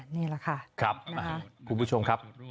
นี่แหละค่ะครับคุณผู้ชมครับ